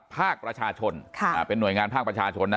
ภาคประชาชนเป็นหน่วยงานภาคประชาชนนะ